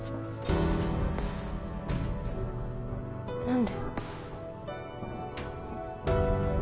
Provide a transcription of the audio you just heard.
何で？